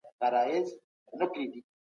ايا انلاين درس د زده کوونکو پوهاوی لوړوي؟